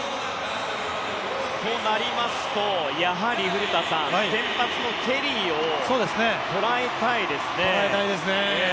となりますとやはり古田さん、先発のケリーを捉えたいですね。